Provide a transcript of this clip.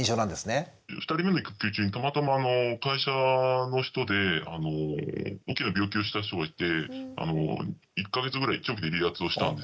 ２人目の育休中にたまたま会社の人で大きな病気をした人がいて１か月ぐらい長期で離脱をしたんですよね。